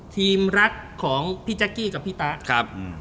ทีมรักของพี่จ๊ะกี้กับพี่ป๊ะ